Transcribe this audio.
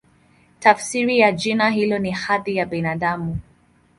Tafsiri ya jina hilo ni "Hadhi ya Binadamu".